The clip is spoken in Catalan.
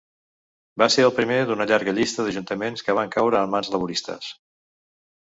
Va ser el primer d'una llarga llista d'ajuntaments que van caure en mans laboristes.